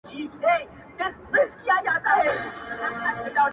شېرينې څه وکړمه زړه چي په زړه بد لگيږي